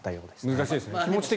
難しいですね。